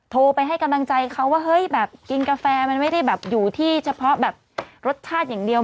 โทรไปให้กำลังใจเขาว่าเฮ้ยแบบกินกาแฟมันไม่ได้แบบอยู่ที่เฉพาะแบบรสชาติอย่างเดียว